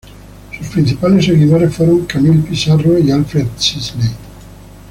Sus principales seguidores fueron Camille Pissarro y Alfred Sisley.